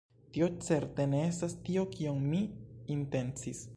Tio certe ne estas tio kion mi intencis!